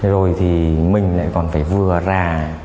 rồi thì mình lại còn phải vừa ra